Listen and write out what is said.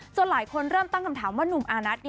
หลายคนเริ่มตั้งคำถามว่านุ่มอานัท